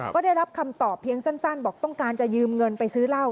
ก็ได้รับคำตอบเพียงสั้นบอกต้องการจะยืมเงินไปซื้อเหล้า